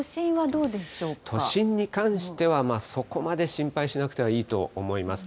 都心に関しては、そこまで心配しなくてもいいと思います。